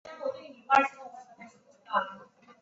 大姚箭竹为禾本科箭竹属下的一个种。